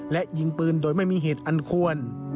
และยิงปืนโดยไม่มีเหตุอันควร